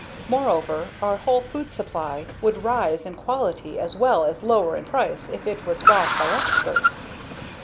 Moreover, our whole food supply would rise in quality as well as lower in price if it was bought by experts.